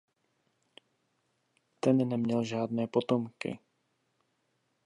Ten neměl žádné potomky.